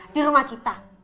di rumah kita